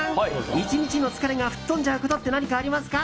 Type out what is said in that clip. １日の疲れが吹っ飛んじゃうことって何かありますか？